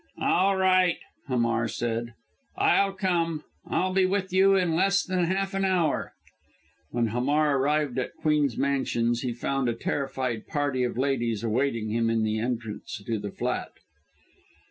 "All right!" Hamar said. "I'll come. I'll be with you in less than half an hour." When Hamar arrived at Queen's Mansions, he found a terrified party of ladies awaiting him in the entrance to the flat.